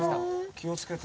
気を付けて。